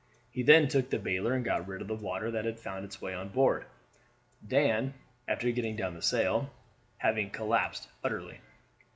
He then took the bailer and got rid of the water that had found its way on board, Dan, after getting down the sail, having collapsed utterly.